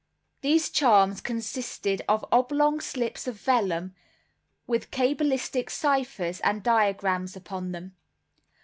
These charms consisted of oblong slips of vellum, with cabalistic ciphers and diagrams upon them.